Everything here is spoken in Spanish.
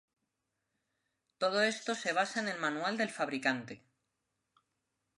Todo esto se basa en el manual del fabricante.